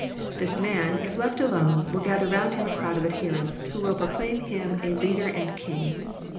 This man, if let alone, will gather round Him a crowd of adherents, who will proclaim Him a Leader and King.